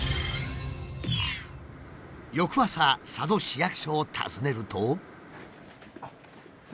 翌朝佐渡市役所を訪ねると。